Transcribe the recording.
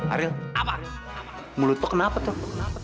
ariel apa mulut tuh kenapa tuh